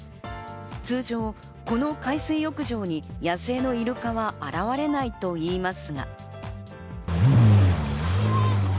通常、この海水浴場に野生のイルカは現れないと言いますが。